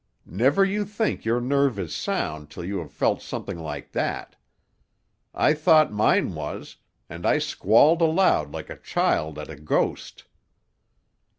Never you think your nerve is sound till you have felt something like that. I thought mine was—and I squalled aloud like a child at a ghost.